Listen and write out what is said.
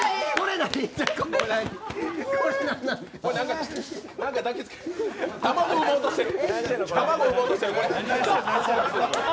何か卵、産もうとしてる。